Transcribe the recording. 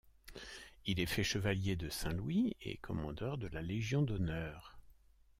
Il est fait chevalier de Saint-Louis et commandeur de la Légion d'honneur.